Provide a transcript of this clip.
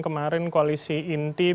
kemarin koalisi inti